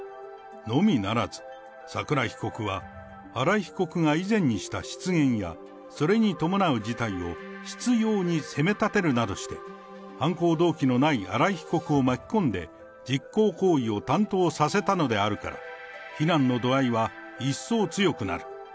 のみならず、桜井被告は新井被告が以前にした失言や、それに伴う事態を執ように責め立てるなどして、犯行動機のない新井被告を巻き込んで、実行行為を担当させたのであるから、非難の度合いは一層強くなる。